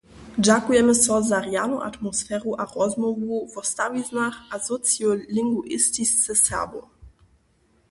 Dźakujemy so za rjanu atmosferu a rozmołwu wo stawiznach a sociolinguistice Serbow.